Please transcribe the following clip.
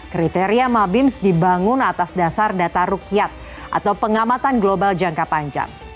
kriteria mabims dibangun atas dasar data rukiat atau pengamatan global jangka panjang